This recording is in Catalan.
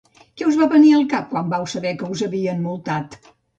Què us va venir al cap quan vau saber que us havien multat?